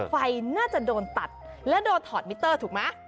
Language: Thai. ไฟน่าจะโดนตัดและโดนถอดมิเตอร์ถูกไหม